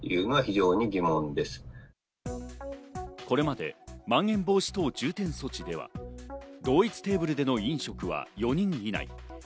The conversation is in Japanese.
これまで、まん延防止等重点措置では同一テーブルでの飲食は４人以内。